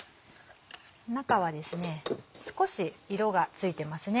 中は少し色がついてますね。